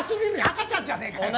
赤ちゃんじゃねえかよ！